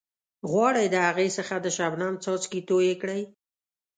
غواړئ د هغې څخه د شبنم څاڅکي توئ کړئ.